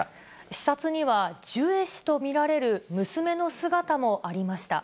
視察には、ジュエ氏と見られる娘の姿もありました。